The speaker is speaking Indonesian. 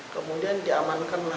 kemudian dia aman kembali ke rumah